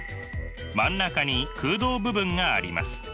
真ん中に空洞部分があります。